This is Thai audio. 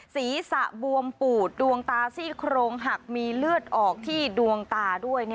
ศีรษะบวมปูดดวงตาซี่โครงหักมีเลือดออกที่ดวงตาด้วย